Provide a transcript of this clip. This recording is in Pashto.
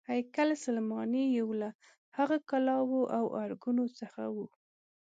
هیکل سلیماني یو له هغو کلاوو او ارګونو څخه و.